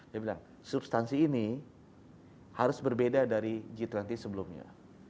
dia bilang substansi ini harus berbeda dari g dua puluh sebelumnya